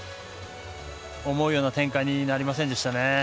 思うような展開になりませんでしたね。